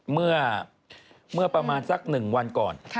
เมื่อประมาณสัก๑วันก่อน